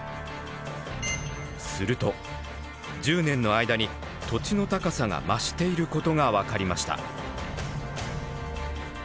すると１０年の間に土地の高さが増していることが分かりました。